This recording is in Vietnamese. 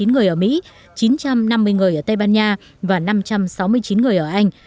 chín trăm năm mươi người ở tây ban nha và năm trăm sáu mươi chín người ở anh